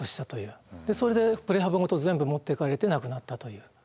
それでプレハブごと全部持ってかれて亡くなったという。